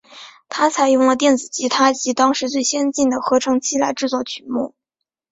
它采用了电子吉他及当时最先进的合成器来制作曲目。